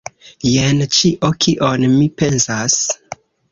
Jen ĉio, kion mi pensas.